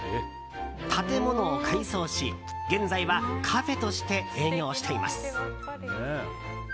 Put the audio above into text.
建物を改装し、現在はカフェとして営業しています。